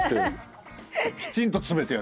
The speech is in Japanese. きちんと詰めてやる。